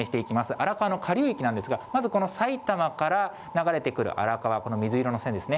荒川の下流域なんですが、まずこの埼玉から流れてくる荒川、この水色の線ですね。